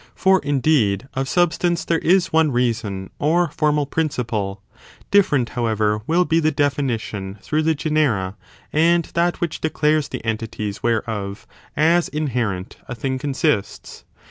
For, indeed, of substance there is one reason or formal principle ; different, however, will be the definition through the genera, and that which declares the entities whereof, as inherent, a y thing consists.